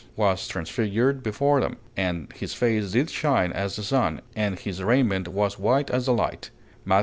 was transfigured before them, and his face did shine as the sun, and his raiment was white as the light," _Matt.